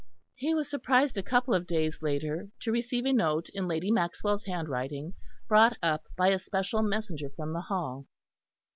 He was surprised a couple of days later to receive a note in Lady Maxwell's handwriting, brought up by a special messenger from the Hall.